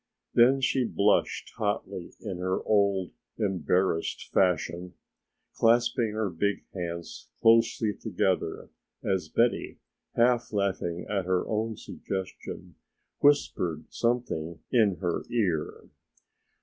Then she blushed hotly in her old embarrassed, fashion, clasping her big hands closely together as Betty, half laughing at her own suggestion, whispered something in her ear.